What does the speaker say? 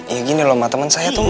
ya gini loh sama teman saya tuh